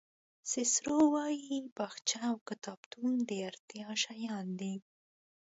سیسرو وایي باغچه او کتابتون د اړتیا شیان دي.